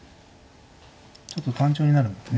ちょっと単調になるんでね。